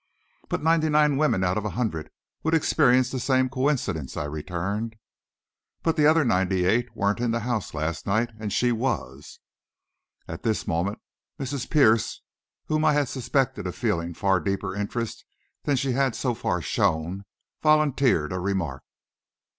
"But ninety nine women out of a hundred would experience the same coincidence," I returned. "But the other ninety eight weren't in the house last night, and she was." At this moment Mrs. Pierce, whom I had suspected of feeling far deeper interest than she had so far shown, volunteered a remark.